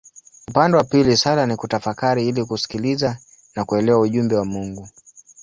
Upande wa pili sala ni kutafakari ili kusikiliza na kuelewa ujumbe wa Mungu.